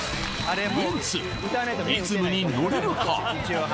ウエンツリズムにのれるか？